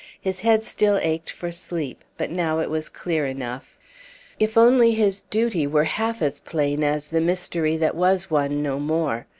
His head still ached for sleep, but now it was clear enough. If only his duty were half as plain as the mystery that was one no more!